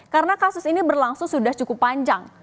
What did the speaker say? karena kasus ini berlangsung sudah cukup panjang